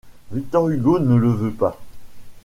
Victor Hugo ne le veut pas.